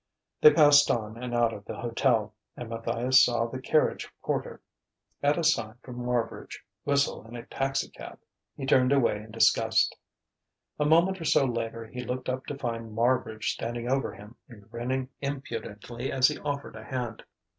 They passed on and out of the hotel; and Matthias saw the carriage porter, at a sign from Marbridge, whistle in a taxicab. He turned away in disgust. A moment or so later he looked up to find Marbridge standing over him and grinning impudently as he offered a hand.